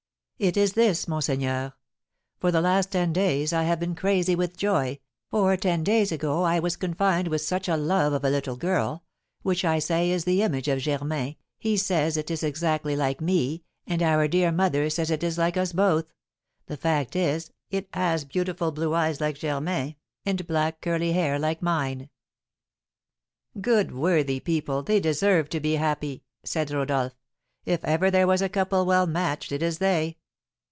It is this, monseigneur: For the last ten days I have been crazy with joy, for ten days ago I was confined with such a love of a little girl, which I say is the image of Germain, he says it is exactly like me, and our dear mother says it is like us both; the fact is, it has beautiful blue eyes like Germain, and black curly hair like mine." "Good, worthy people, they deserve to be happy!" said Rodolph. "If ever there was a couple well matched it is they."